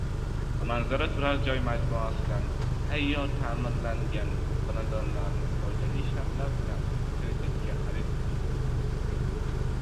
Manzara turar joy majmuasidan tayyor ta’mirlangan xonadonlarni foydali shartlar bilan kreditga xarid qiling